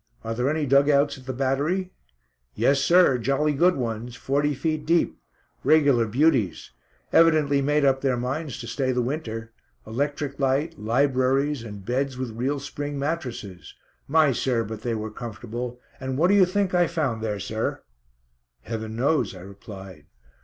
Are there any dug outs at the battery?" "Yes, sir, jolly good ones; forty feet deep; regular beauties. Evidently made up their minds to stay the winter. Electric light, libraries, and beds with real spring mattresses. My, sir, but they were comfortable. And what do you think I found there, sir?" "Heaven knows," I replied.